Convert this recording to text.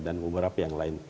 dan beberapa yang lain